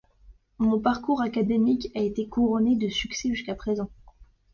Mon parcours académique a été couronné de succès jusqu'à présent.